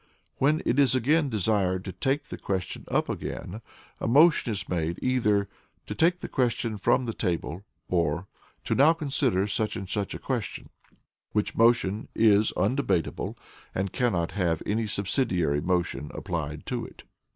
When it is desired to take the question up again, a motion is made, either "to take the question from the table," or "to now consider such and such a question;" which motion is undebatable, and cannot have any subsidiary motion applied to it.